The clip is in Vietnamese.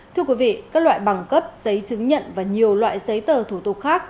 thưa quý vị các loại bằng cấp giấy chứng nhận và nhiều loại giấy tờ thủ tục khác